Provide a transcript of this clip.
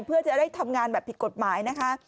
เพื่อจะได้ทำงานแบบผิดกฎหมายนะคะ